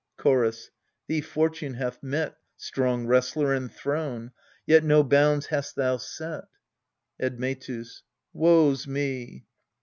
Chorus. Thee Fortune hath met, Strong wrestler, and thrown ; Yet no bounds hast thou set Admetus. Woe's me